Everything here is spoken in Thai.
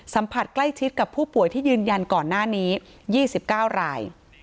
สัมผัสใกล้ชิดกับผู้ป่วยที่ยืนยันก่อนหน้านี้๒๙ราย